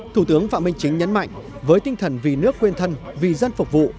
thủ tướng phạm minh chính nhấn mạnh với tinh thần vì nước quên thân vì dân phục vụ